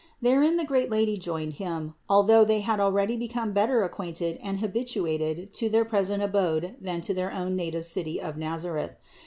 Therein the great Lady joined Him, although they had already become better acquainted and habituated to their present abode than to their own native city of Nazareth.